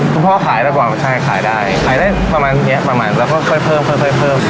พ่อขายไปก่อนใช่ขายได้ขายได้ประมาณเนี้ยประมาณแล้วก็ค่อยเพิ่มค่อยเพิ่ม